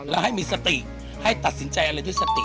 แล้วให้มีสติให้ตัดสินใจอะไรด้วยสติ